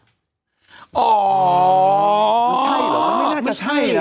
ใช่หรือไม่น่าจะเป่ง